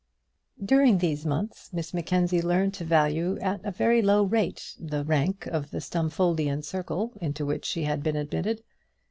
During these months Miss Mackenzie learned to value at a very low rate the rank of the Stumfoldian circle into which she had been admitted.